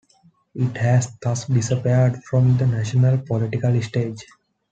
It has thus disappeared from the national political stage.